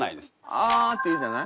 「あ」って言うじゃない？